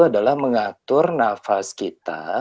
adalah mengatur nafas kita